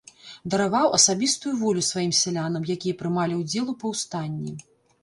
Дараваў асабістую волю сваім сялянам, якія прымалі ўдзел у паўстанні.